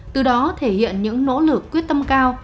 từ đó thể hiện những nỗ lực quyết tâm cao